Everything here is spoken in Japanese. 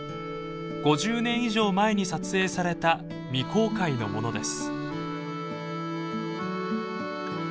５０年以上前に撮影された未公開のものです。